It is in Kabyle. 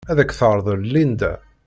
Ad ak-t-terḍel Linda.